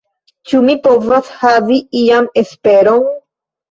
Ĉu mi povas havi ian esperon?